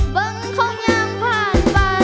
เบิ้งคงยังผ่านไป